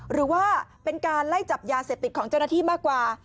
หรือว่าเป็นการไล่จับยาเสพติดของเจ้าหน้าที่มากกว่า